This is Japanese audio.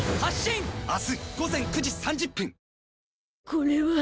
これは。